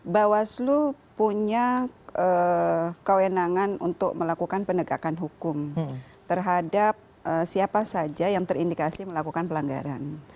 bawaslu punya kewenangan untuk melakukan penegakan hukum terhadap siapa saja yang terindikasi melakukan pelanggaran